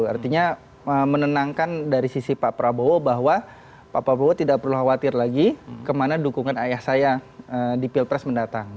artinya menenangkan dari sisi pak prabowo bahwa pak prabowo tidak perlu khawatir lagi kemana dukungan ayah saya di pilpres mendatang